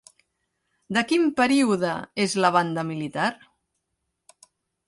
De quin període és la banda militar?